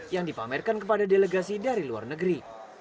yang dipamerkan kepada delegasi dari luar negeri